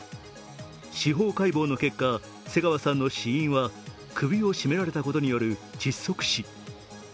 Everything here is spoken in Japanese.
司法解剖の結果、瀬川さんの死因は首を絞められたことによる窒息死。